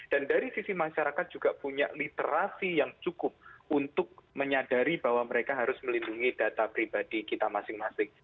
dan dari sisi masyarakat juga punya literasi yang cukup untuk menyadari bahwa mereka harus melindungi data pribadi kita masing masing